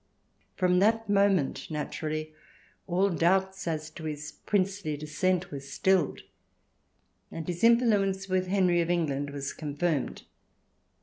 From that moment, naturally, all doubts as to his princely descent were stilled and his influence with Henry of England was confirmed.